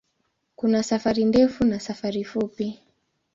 Kuna safari ndefu na safari fupi.